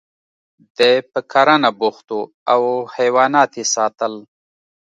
دی په کرنه بوخت و او حیوانات یې ساتل